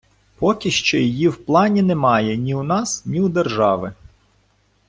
Поки ще її в плані немає ні у нас, ні у держави.